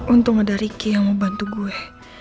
untung ada riki yang mau bantu gue